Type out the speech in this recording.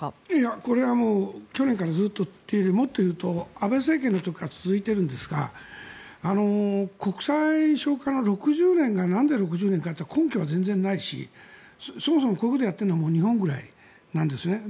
これは去年からずっと言っていてもっというと安倍政権の時から続いているんですが国債償還の６０年がなんで６０年かという根拠は全然ないしそもそもこういうことをやっているのは日本ぐらいなんですね。